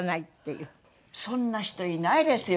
そんな人いないですよ